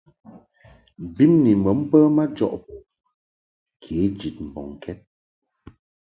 Bimni bə mbə majɔʼ bo kě jid mbɔŋkɛd.